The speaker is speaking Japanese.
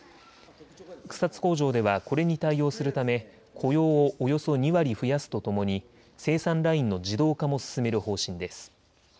草津工場ではこれに対応するため雇用をおよそ２割増やすとともに生産ラインの自動化も進める方針です。